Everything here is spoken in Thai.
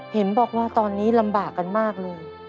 เห็นบอกว่าตอนนี้ลำบากกันมากเลย